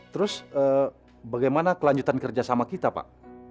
terus bagaimana kelanjutan kerja sama kita pak